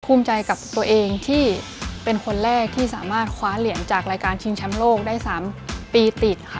ภูมิใจกับตัวเองที่เป็นคนแรกที่สามารถคว้าเหรียญจากรายการชิงแชมป์โลกได้๓ปีติดค่ะ